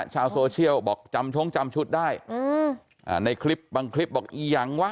ชาวโซเชียลบอกจำชมชุดได้อืมอ่าในคลิปบางคลิปบอกอย่างวะ